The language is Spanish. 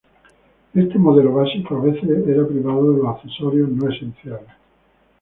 Este modelo básico a veces era privado de los accesorios no esenciales.